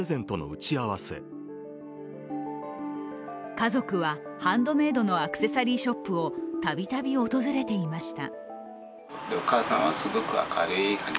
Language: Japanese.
家族はハンドメードのアクセサリーショップをたびたび訪れていました。